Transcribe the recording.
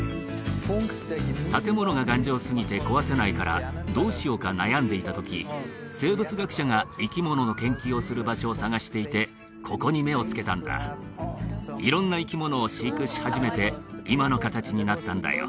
建物が頑丈すぎて壊せないからどうしようか悩んでいた時生物学者が生き物の研究をする場所を探していてここに目を付けたんだ色んな生き物を飼育し始めて今の形になったんだよ